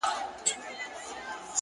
خپل فکرونه په احتیاط وټاکئ,